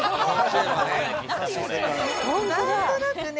何となくね。